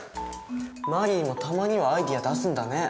マリーもたまにはアイデア出すんだね。